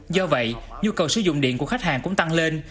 do vậy nhu cầu sử dụng điện của khách hàng cũng tăng lên